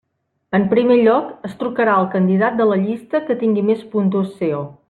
En primer lloc es trucarà al candidat de la llista que tingui més puntuació.